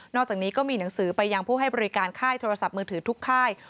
อกจากนี้ก็มีหนังสือไปยังผู้ให้บริการค่ายโทรศัพท์มือถือทุกค่าย